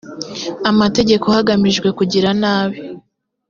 amategeko hagamijwe kugira nabi